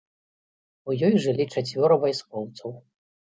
У ёй жылі чацвёра вайскоўцаў.